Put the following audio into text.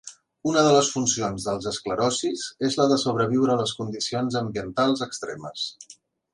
Una de les funcions dels esclerocis és la de sobreviure les condicions ambientals extremes.